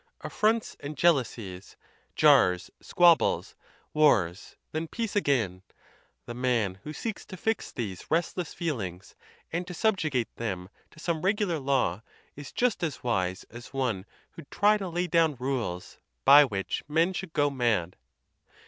Affronts and jealousies, jars, squabbles, wars, Then peace again. The man who seeks to fix These restless feelings, and to subjugate Them to some regular law, is just as wise As one who'd try to lay down rules by which Men should go mad.?